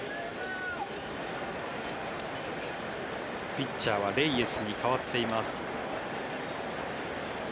ピッチャーはレイエスに代わっています。